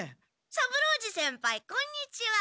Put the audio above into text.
三郎次先輩こんにちは。